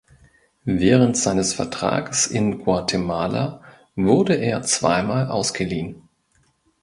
Während seines Vertrages in Guatemala wurde er zweimal ausgeliehen.